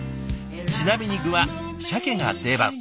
ちなみに具はしゃけが定番。